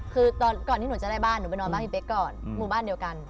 คือก่อนที่หนูจะได้บ้านหนูไปนอนบ้านพี่เป๊กก่อนหมู่บ้านเดียวกัน